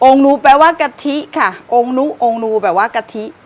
องนูแปลว่ากะทิค่ะองนูองนูแปลว่ากะทิ